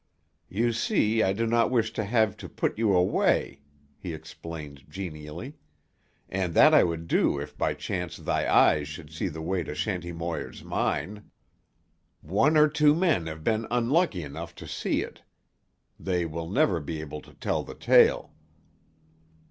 "You see, I do not wish to have to put you away," he explained genially, "and that I would do if by chance thy eyes should see the way to Shanty Moir's mine. One or two men have been unlucky enough to see it. They will never be able to tell the tale."